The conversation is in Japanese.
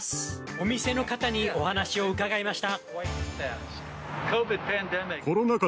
お店の方にお話を伺いました。